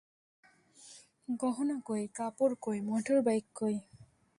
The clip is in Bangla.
গহনা কই, কাপড় কই, মোটবহর কই?